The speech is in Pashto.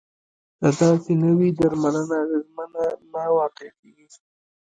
که داسې نه وي درملنه اغیزمنه نه واقع کیږي.